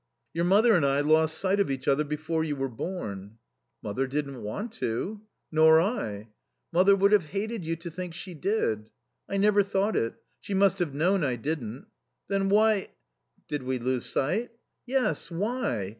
"Your mother and I lost sight of each other before you were born." "Mother didn't want to." "Nor I." "Mother would have hated you to think she did." "I never thought it. She must have known I didn't." "Then why " "Did we lose sight?" "Yes, why?